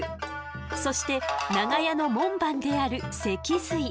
そして長屋の門番である脊髄。